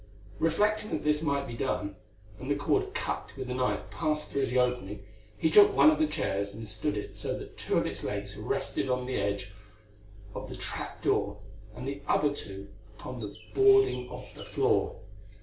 Reflecting that this might be done, and the cord cut with a knife passed through the opening, he took one of the chairs and stood it so that two of its legs rested on the edge of the trap door and the other two upon the boarding of the floor.